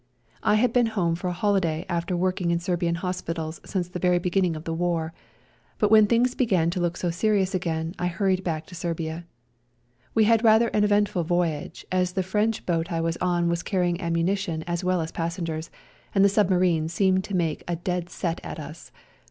I had been home for a holiday after working in Serbian hospitals since the very beginning of the war, but when things began to look so serious again I 2 REJOINING THE SERBIANS hurried back to Serbia. We had rather an eventful voyage, as the French boat I was on was carrying ammunition as well as passengers, and the submarines seemed to make a dead set at us.